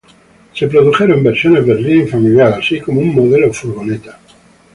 Se produjeron versiones berlina y familiar, así como un modelo furgoneta.